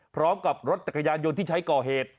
พร้อมกับรถจักรยานยนต์ที่ใช้ก่อเหตุ